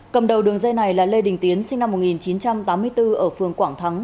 cầm đầu đường dây này là lê đình tiến sinh năm một nghìn chín trăm tám mươi bốn ở phường quảng thắng